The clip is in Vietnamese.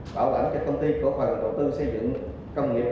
bảo lãnh cho công ty của phần đầu tư xây dựng công nghiệp